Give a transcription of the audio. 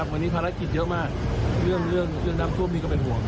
วันนี้ภารกิจเยอะมากเรื่องน้ำท่วมนี่ก็เป็นห่วง